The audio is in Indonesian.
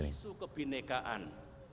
bukan isu kebhinnekaan